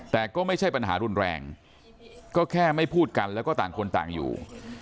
แต่ก็ไม่ใช่ปัญหารุนแรงก็แค่ไม่พูดกันแล้วก็ต่างคนต่างอยู่